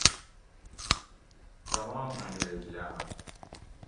تمام انگریزیان